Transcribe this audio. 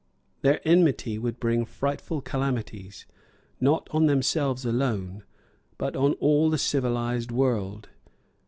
Their enmity would bring frightful calamities, not on themselves alone, but on all the civilised world.